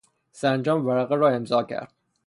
سرانجام ورقه را امضا کرد.